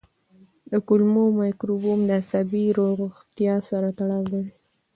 د کولمو مایکروبیوم د عصبي روغتیا سره تړاو لري.